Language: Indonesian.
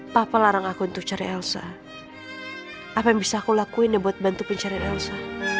papa larang aku untuk cari elsa apa yang bisa aku lakuin dan buat bantu pencarian elsa